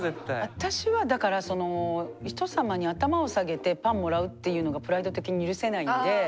私はだからその人様に頭を下げてパンもらうっていうのがプライド的に許せないんで。